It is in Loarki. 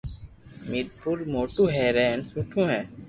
ميرپور موٽو ھير ھين سٺو ھي